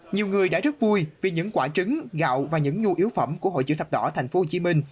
nhiều người đã rất vui vì những quả trứng gạo và những nhu yếu phẩm của hội chủ thập đỏ thành phố hồ chí minh